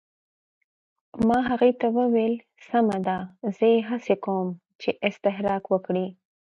ما هغې ته وویل: سمه ده، زه یې هڅه کوم چې استراحت وکړي.